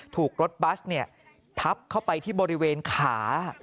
ถูกรถบัสทับเข้าไปที่บริเวณขา